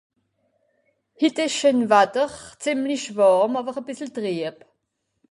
Hitt ìsch scheen Watter, zemlich wàrm àwer e bìssel trüeb